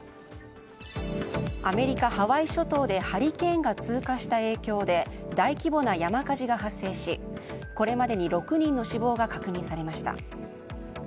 アメリカ・ハワイ諸島でハリケーンが通過した影響で大規模な山火事が発生しこれまでに６人の死亡が確認されました。